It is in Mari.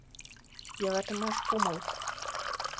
Йӧратымаш кумыл